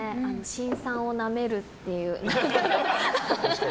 辛酸をなめるっていう。